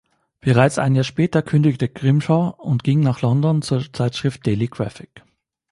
Bereits ein Jahr später kündigte Grimshaw und ging nach London zur Zeitschrift "Daily Graphic".